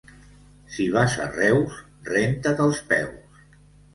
Si vas a Reus, renta't els peus.